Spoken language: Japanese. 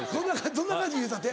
どんな感じに言うたって？